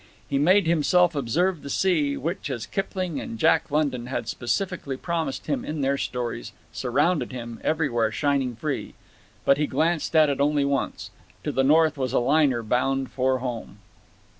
He made himself observe the sea which, as Kipling and Jack London had specifically promised him in their stories, surrounded him, everywhere shining free; but he glanced at it only once. To the north was a liner bound for home.